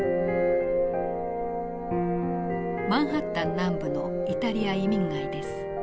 マンハッタン南部のイタリア移民街です。